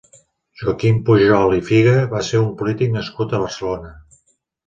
Joaquim Pujol i Figa va ser un polític nascut a Barcelona.